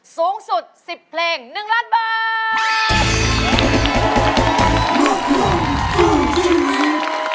สูงสุด๑๐เพลง๑ล้านบาท